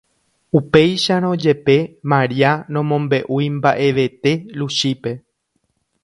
upéicharõ jepe, Maria nomombe'úi mba'evete Luchípe.